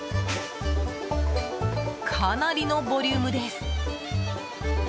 かなりのボリュームです。